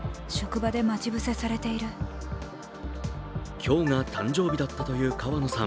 今日が誕生日だったという川野さん。